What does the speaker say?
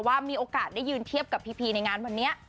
มีโอกาสได้ยืนเทียบกับพีพีในงานวันนี้